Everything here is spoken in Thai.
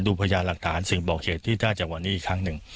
พยานหลักฐานสิ่งบอกเหตุที่น่าจะวันนี้อีกครั้งหนึ่ง